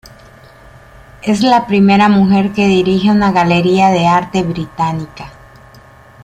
Es la primera mujer que dirije una galería de arte británica.